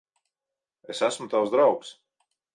Es esmu tavs draugs.